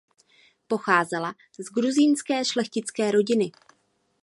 Pocházela z gruzínské šlechtické rodiny.